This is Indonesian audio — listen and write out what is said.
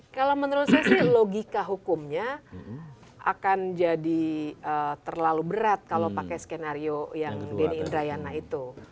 kalau menurut saya sih logika hukumnya akan jadi terlalu berat kalau pakai skenario yang denny indrayana itu